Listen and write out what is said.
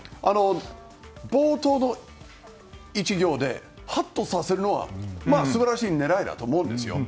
冒頭の１行でハッとさせるのは素晴らしい狙いだと思うんですよ。